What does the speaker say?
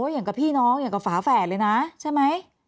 อย่างกับพี่น้องอย่างกับฝาแฝดเลยนะใช่ไหม